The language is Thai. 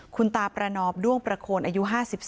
คุณตาประนอบด้วงประโคนอายุ๕๒